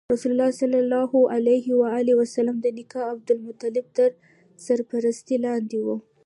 رسول الله ﷺ د نیکه عبدالمطلب تر سرپرستۍ لاندې و.